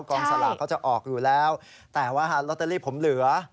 กองสลากเขาจะออกอยู่แล้วแต่ว่าลอตเตอรี่ผมเหลือ